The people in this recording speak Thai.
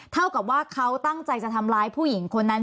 เท่ากับว่าเขาตั้งใจจะทำร้ายผู้หญิงคนนั้น